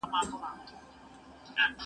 یوه خواږه دوست راته لیکلي وو: